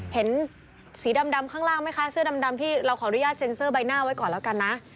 เห็นสีดำข้างล่างไหมคะเสื้อดำพี่เราขออนุญาตเซ็นเซอร์ใบหน้าไว้ก่อนแล้วกันนะ